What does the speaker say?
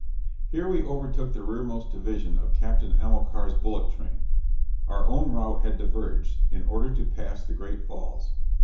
Here we overtook the rearmost division of Captain Amilcar's bullock train. Our own route had diverged, in order to pass the great falls.